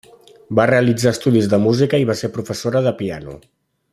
Va realitzar estudis de música i va ser professora de piano.